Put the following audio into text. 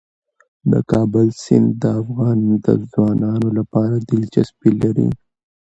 د کابل سیند د افغان ځوانانو لپاره دلچسپي لري.